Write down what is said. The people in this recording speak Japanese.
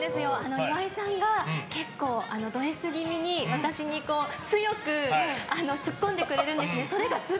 岩井さんが結構、ドＳ気味に私に強くツッコんでくれるんですね。